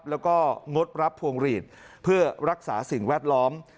แล้วก็งดรับพวงหลีดเพื่อรักษาสิ่งแวดล้อม